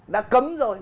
đã cấm rồi